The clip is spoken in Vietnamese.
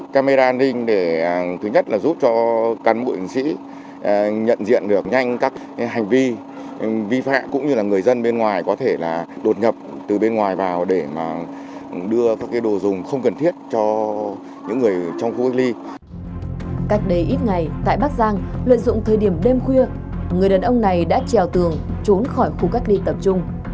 cách đây ít ngày tại bắc giang lợi dụng thời điểm đêm khuya người đàn ông này đã trèo tường trốn khỏi khu cách ly tập trung